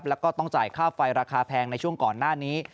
แล้วก็ต้องจ่ายค่าไฟราคาแพงในช่วงก่อนหน้านี้